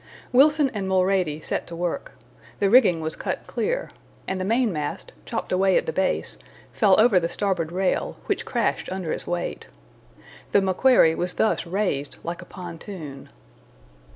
Wilson and Mulrady set to work; the rigging was cut clear, and the mainmast, chopped away at the base, fell over the starboard rail, which crashed under its weight. The MACQUARIE was thus razed like a pontoon.